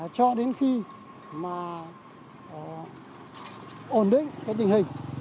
cho đến khi mà ổn định cái tình hình